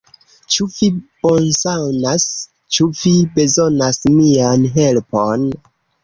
Ĉu vi bonsanas? Ĉu vi bezonas mian helpon?